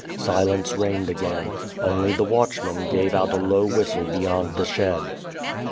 Silence reigned again. Only the watchman gave out a low whistle beyond the shed.